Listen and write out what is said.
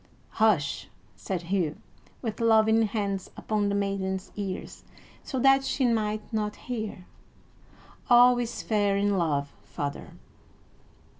"Hush!" said Hugh, with loving hands upon the maiden's ears so that she might not hear. "All is fair in love, father!"